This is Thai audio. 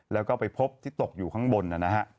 แล้วก็ไปพบที่ตกอยู่ข้างบนนะฮะ